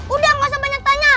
udah gak usah banyak tanya